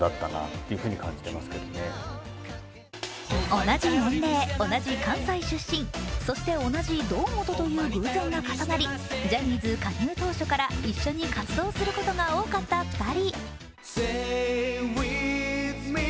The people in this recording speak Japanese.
同じ年齢、同じ関西出身、そして同じ堂本という偶然が重なりジャニーズ加入当初から一緒に活動することが多かった２人。